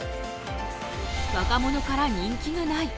若者から人気がない。